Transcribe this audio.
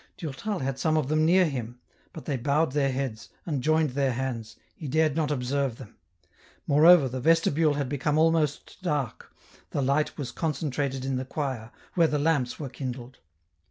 Durtal had some of them near him ; but they bowed their heads, and joined their hands, he dared not observe them ; moreover, the vestibule had become almost dark, the light was concentrated in the choir, where the lamps were kindled.